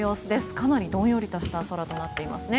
かなりどんよりとした空になっていますね。